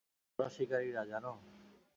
চোরাশিকারিরা, জানো?